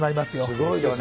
すごいよね。